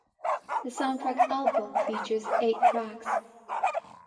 The soundtrack album features eight tracks.